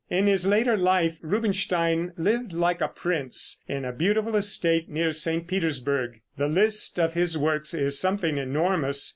In his later life Rubinstein lived like a prince in a beautiful estate near St. Petersburgh. The list of his works is something enormous.